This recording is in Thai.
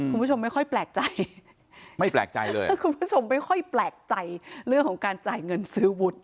คุณผู้ชมไม่ค่อยแปลกใจไม่แปลกใจเลยถ้าคุณผู้ชมไม่ค่อยแปลกใจเรื่องของการจ่ายเงินซื้อวุฒิ